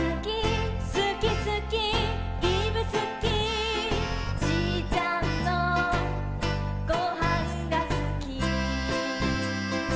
「すきすきいぶすき」「じいちゃんのごはんがすき」